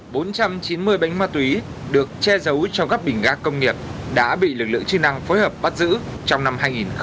bốn trăm chín mươi bánh ma túy được che giấu trong các bình ga công nghiệp đã bị lực lượng chức năng phối hợp bắt giữ trong năm hai nghìn một mươi tám